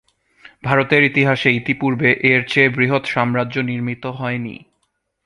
ভারতের ইতিহাসে ইতিপূর্বে এর চেয়ে বৃহৎ সাম্রাজ্য নির্মিত হয়নি।